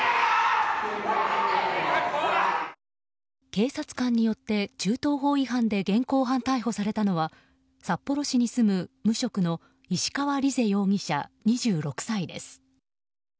警察官によって銃刀法違反で現行犯逮捕されたのは札幌市に住む無職の石川莉世容疑者、２６歳です。